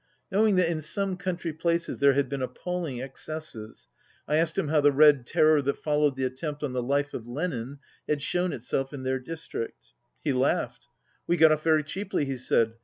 Knowing that in some country places there had been appalling excesses, I asked him how the Red Terror that followed the attempt on the life of Lenin had shown itself in their district. He laughed. 77 "We got off very cheaply," he said.